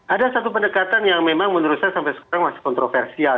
ada satu pendekatan yang memang menurut saya sampai sekarang masih kontroversial